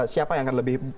siapa yang akan lebih